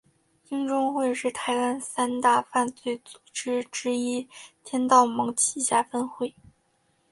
鹰中会是台湾三大犯罪组织之一天道盟旗下分会。